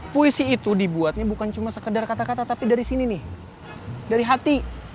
puisi itu dibuatnya bukan cuma sekedar kata kata tapi dari sini nih dari hati